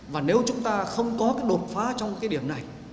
và nếu chúng ta không có cái đột phá trong cái điểm này